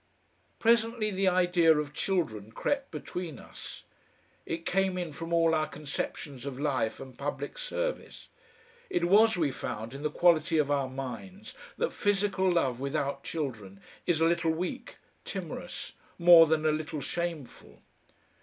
Presently the idea of children crept between us. It came in from all our conceptions of life and public service; it was, we found, in the quality of our minds that physical love without children is a little weak, timorous, more than a little shameful.